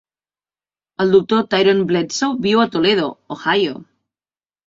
El doctor Tyrone Bledsoe viu a Toledo, Ohio.